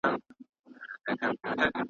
زما له لوري یې خبر کړی محتسب او ملاجان .